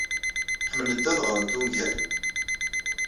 Ḥemmlent ad ɣrent ungalen.